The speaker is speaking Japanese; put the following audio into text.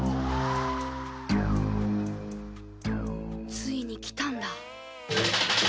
ついに来たんだ。